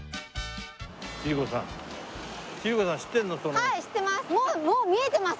はい知ってます。